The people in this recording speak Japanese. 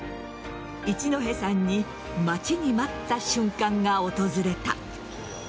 一戸さんに待ちに待った瞬間が訪れた。